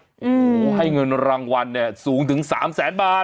โอ้โหให้เงินรางวัลเนี่ยสูงถึง๓แสนบาท